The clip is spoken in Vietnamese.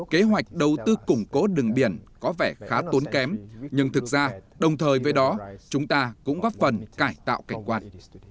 kế hoạch đầu tư củng cố đường biển có vẻ khá tốn kém nhưng thực ra đồng thời với đó chúng ta cũng góp phần cải tạo cảnh quan